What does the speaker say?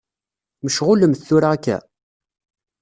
Mecɣulemt tura akka?